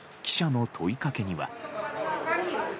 記者の問いかけには。